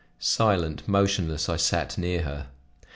Silent, motionless, I sat near her.